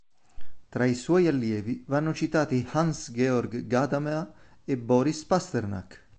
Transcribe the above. Tra i suoi allievi vanno citati Hans-Georg Gadamer e Boris Pasternak.